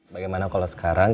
bagaimana kalau sekarang